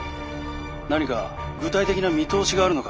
何か具体的な見通しがあるのか？